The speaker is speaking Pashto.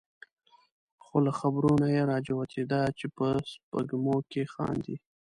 خو له خبرو نه یې را جوتېده چې په سپېږمو کې خاندي.